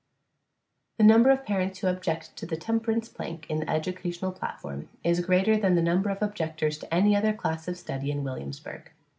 The number of parents who object to the temperance plank in the educational platform is greater than the number of objectors to any other class of study in Williamsburg.